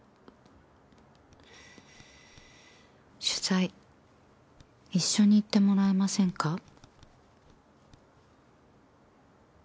「取材一緒に行ってもらえませんか？」。